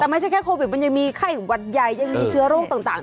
แต่ไม่ใช่แค่โควิดมันยังมีไข้หวัดใหญ่ยังมีเชื้อโรคต่าง